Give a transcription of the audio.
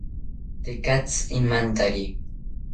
Tekatzi imantari